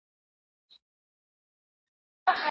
کښتۍ سورۍ څښتن ګمراه دی په توپان اعتبار نسته